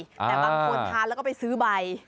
แต่บางคนทานแล้วก็ไปซื้อใบ